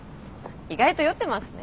意外と酔ってますね。